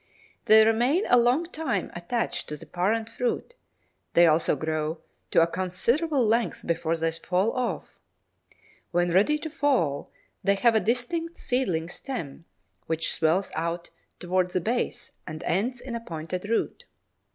They remain a long time attached to the parent fruit; they also grow to a considerable length before they fall off. When ready to fall, they have a distinct seedling stem, which swells out towards the base and ends in a pointed root.